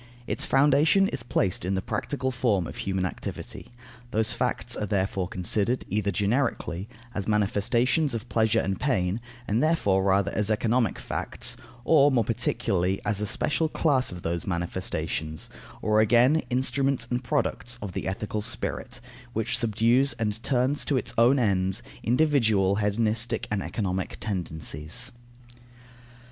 Its foundation is placed in the practical form of human activity. Those facts are therefore considered, either generically, as manifestations of pleasure and pain, and therefore rather as economic facts; or, more particularly, as a special class of those manifestations; or again, as instruments and products of the ethical spirit, which subdues and turns to its own ends individual hedonistic and economic tendencies.